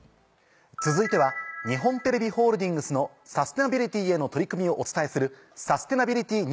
続いては日本テレビホールディングスのサステナビリティへの取り組みをお伝えする。